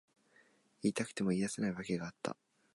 言いたくても言い出せない訳があった。